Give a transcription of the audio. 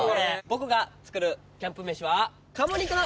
僕が作るキャンプ飯は。